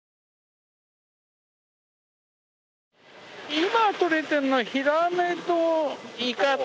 今取れてるのはヒラメとイカと。